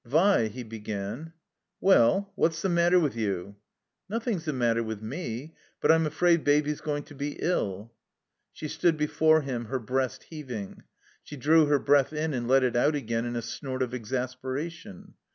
"Vi— " he began. "Well— what's the matter with you?'* *' Nothing's the matter with tne. But I'm afraid Baby's going to be ill." She stood before him, her breast heaving. She drew her breath in and let it out again in a snort of exasperation.